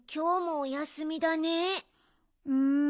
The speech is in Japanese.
うん。